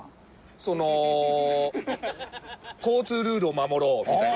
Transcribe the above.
その「交通ルールを守ろう」みたいな。